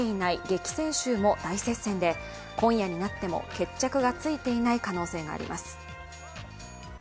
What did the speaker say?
激戦州も大接戦で今夜になっても決着がついていない可能性があります。